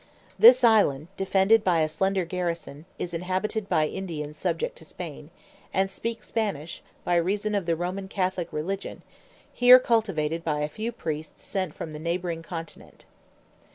This island, defended by a slender garrison, is inhabited by Indians subject to Spain, and speak Spanish, by reason of the Roman Catholic religion, here cultivated by a few priests sent from the neighbouring continent.